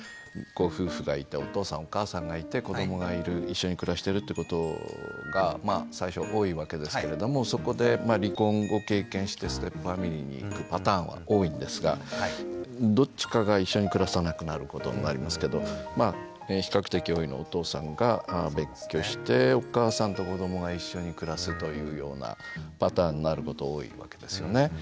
こう夫婦がいてお父さんお母さんがいて子どもが一緒に暮らしてるってことがまあ最初多いわけですけれどもそこで離婚を経験してステップファミリーにいくパターンは多いんですがどっちかが一緒に暮らさなくなることになりますけどまあ比較的多いのはお父さんが別居してお母さんと子どもが一緒に暮らすというようなパターンになること多いわけですよね。